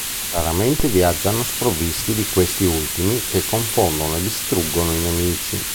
Raramente viaggiano sprovvisti di questi ultimi che confondono e distruggono i nemici.